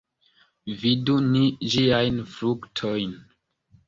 Vidu ni ĝiajn fruktojn!